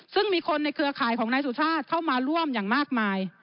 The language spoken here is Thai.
ซึ่งมีคนในเครือข่ายของนายสุชาติเข้ามาร่วมอย่างมากมาย